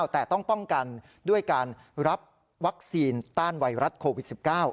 แต่ต้องป้องกันด้วยการรับวัคซีนต้านไวรัสโควิด๑๙